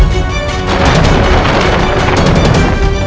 kau akan menang